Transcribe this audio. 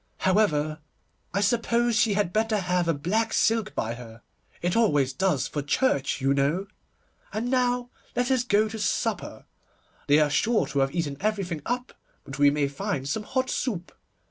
However, I suppose she had better have a black silk by her; it always does for church, you know. And now let us go to supper. They are sure to have eaten everything up, but we may find some hot soup.